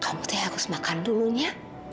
kamu tuh harus makan dulu ya